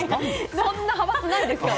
そんな派閥ないですから。